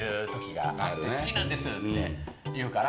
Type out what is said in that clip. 好きなんですって言うから。